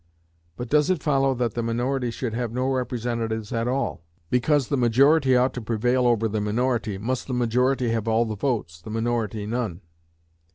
But does it follow that the minority should have no representatives at all? Because the majority ought to prevail over the minority, must the majority have all the votes, the minority none?